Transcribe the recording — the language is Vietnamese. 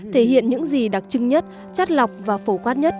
thể hiện những gì đặc trưng nhất chắt lọc và phổ quát nhất